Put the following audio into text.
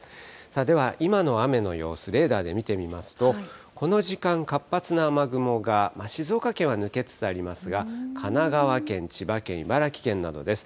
では今の雨の様子、レーダーで見てみますと、この時間、活発な雨雲が、静岡県は抜けつつありますが、神奈川県、千葉県、茨城県などです。